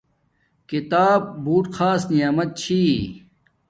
کتاب بوت خاص نعمت چھی